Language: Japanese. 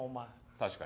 確かに。